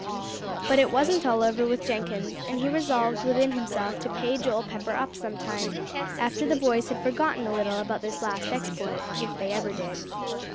But it wasn't all over with Jenkins; and he resolved within himself to pay Joel Pepper up sometime, after the boys had forgotten a little about this last exploit, if they ever did.